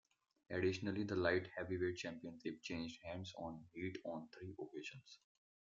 Additionally, the Light Heavyweight Championship changed hands on "Heat" on three occasions.